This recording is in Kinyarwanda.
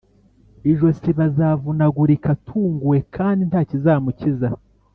Ijosi b azavunagurika atunguwe kandi nta kizamukiza